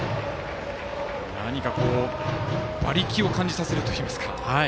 何か馬力を感じさせるというか。